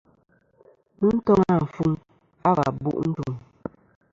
Mɨ toŋ àfuŋ a v̀ bu' nchum.